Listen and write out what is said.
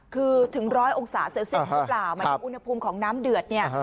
คือถึงร้อยองศาเซลเซียสหรือเปล่าหมายถึงอุณหภูมิของน้ำเดือดเนี่ย